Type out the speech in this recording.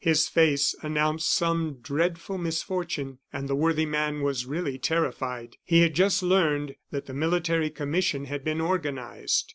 His face announced some dreadful misfortune; and the worthy man was really terrified. He had just learned that the military commission had been organized.